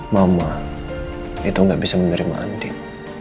mama itu gak bisa menerima andin